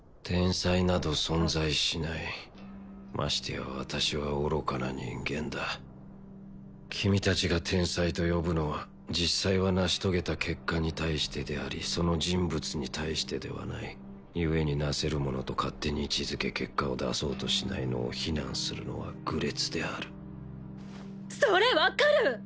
天才など存在しないましてや私は愚かな人間だ君達が天才と呼ぶのは実際は成し遂げた結果に対してでありその人物に対してではないゆえになせる者と勝手に位置づけ結果を出そうとしないのを非難するのは愚劣であるそれ分かる！